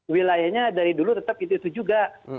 wilayahnya dari dulu tetap itu juga